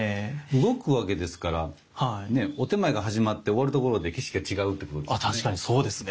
動くわけですからねお点前が始まって終わるところで景色が違うってことですもんね。